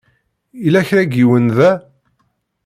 Yella kra n yiwen da?